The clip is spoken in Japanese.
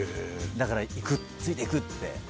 だから、ついていく！って。